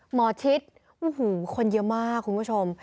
หมอชิดโอ้โหคนเยอะมากคุณผู้ชม